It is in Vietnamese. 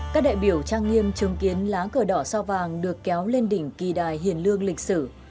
các đại biểu trang nghiêm chứng kiến lá cờ đỏ sao vàng được kéo lên đỉnh kỳ đài hiền lương lịch sử